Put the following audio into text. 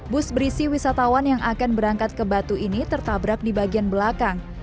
bus berisi wisatawan yang akan berangkat ke batu ini tertabrak di bagian belakang